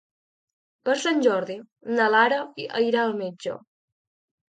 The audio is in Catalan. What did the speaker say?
Per Sant Jordi na Lara irà al metge.